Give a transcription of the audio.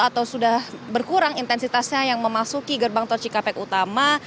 atau sudah berkurang intensitasnya yang memasuki gerbang tol cikampek utama